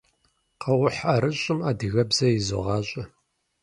Къэухь ӏэрыщӏым адыгэбзэ изогъащӏэ.